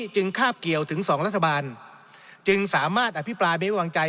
จึงคาบเกี่ยวถึงสองรัฐบาลจึงสามารถอภิปราเมฆวังใจ